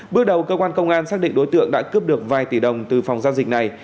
bước đầu cơ quan công an xác định đối tượng đã cướp được vài tỷ đồng từ phòng giao dịch này